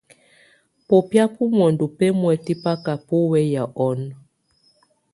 Bobía bo mondo bɛmuɛtɛ báka bó wey ɔn.